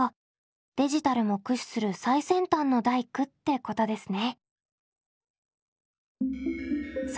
デジタルも駆使する最先端の大工ってことですね。